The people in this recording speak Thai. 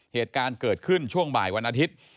เหตุการณ์เกิดขึ้นช่วงบ่ายวันอาทิตย์